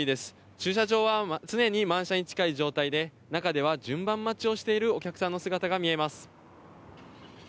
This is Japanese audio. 駐車場は常に満車に近い状態で中には順番待ちをしているお客さんの姿が見えます。